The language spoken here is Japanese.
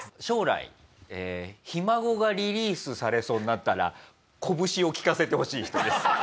将来『ひ孫』がリリースされそうになったらこぶしをきかせてほしい人です。